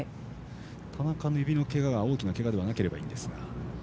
田中の指のけがが大きなけがでなければいいんですが。